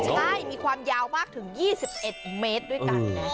ใช่มีความยาวมากถึง๒๑เมตรด้วยกันนะ